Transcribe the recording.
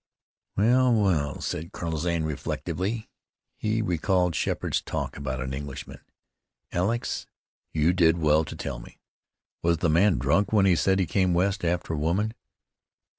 "Well, well," said Colonel Zane reflectively. He recalled Sheppard's talk about an Englishman. "Alex, you did well to tell me. Was the man drunk when he said he came west after a woman?"